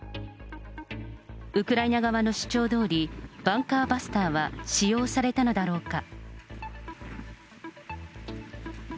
ウクライナ側の主張どおり、バンカーバスターは使用されたのだろうか。